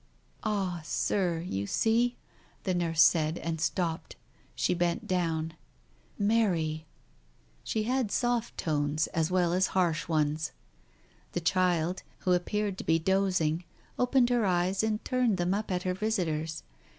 "Ah, Sir, you see ?" the nurse said, and stopped. She bent down. ..." Mary 1 " She had soft tones as well as harsh ones. The child, who appeared to be dozing, opened her eyes and turned them up at her visitors.